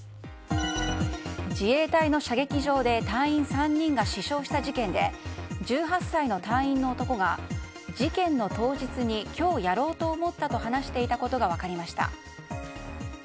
自衛隊の射撃場で隊員３人が死傷した事件で１８歳の隊員の男が事件の当日に今日やろうと思ったと話していたことが分かりました。